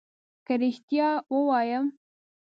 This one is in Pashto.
که ريښتيا ووايم